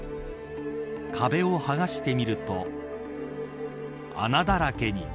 壁を剥がしてみると穴だらけに。